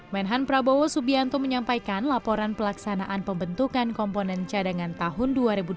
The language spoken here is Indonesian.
menhan prabowo subianto menyampaikan laporan pelaksanaan pembentukan komponen cadangan tahun dua ribu dua puluh